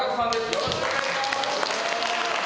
よろしくお願いします！